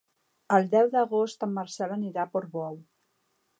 El deu d'agost en Marcel anirà a Portbou.